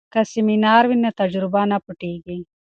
که سمینار وي نو تجربه نه پټیږي.